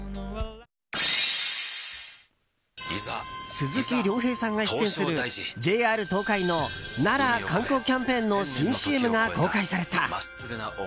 鈴木亮平さんが出演するＪＲ東海の奈良観光キャンペーンの新ＣＭが公開された。